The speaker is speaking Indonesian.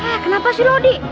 eh kenapa sih rodi